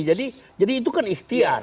jadi itu kan ikhtiar